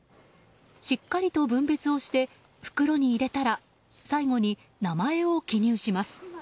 しっかりと分別をして袋に入れたら最後に名前を記入します。